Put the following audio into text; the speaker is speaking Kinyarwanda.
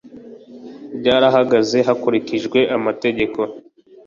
ryarahagaze hakurikijwe amategeko